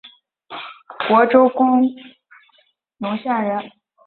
虢州弘农县人。